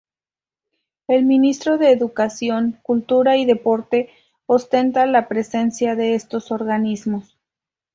El Ministro de Educación, Cultura y Deporte ostenta la presidencia de estos organismos.